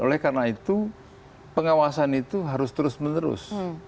oleh karena itu pengawasan itu harus terus menerus